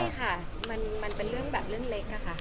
ใช่ค่ะมันเป็นเรื่องแบบเรื่องเล็กอะค่ะ